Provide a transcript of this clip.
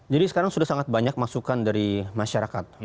jadi sekarang sudah sangat banyak masukan dari masyarakat